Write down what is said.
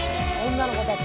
女の子たち。